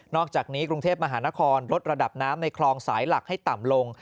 อกจากนี้กรุงเทพมหานครลดระดับน้ำในคลองสายหลักให้ต่ำลง